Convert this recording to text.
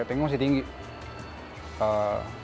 masa ketiga perusahaan tersebut berhasil